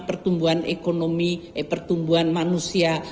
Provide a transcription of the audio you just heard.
pertumbuhan ekonomi pertumbuhan manusia